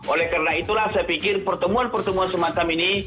oleh karena itulah saya pikir pertemuan pertemuan semacam ini